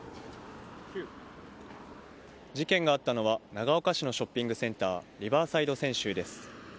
事件があったのは長岡市のショッピングセンターリバーサイド千秋です。